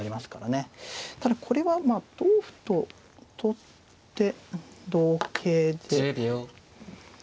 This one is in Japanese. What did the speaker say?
ただこれは同歩と取って同桂で。